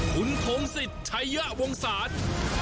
ขุนโทงสิทธิ์ไทยะวงศาสตร์